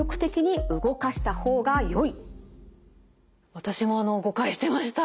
私も誤解してました。